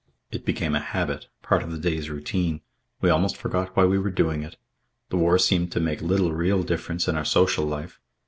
It became a habit, part of the day's routine. We almost forgot why we were doing it. The war seemed to make little real difference in our social life.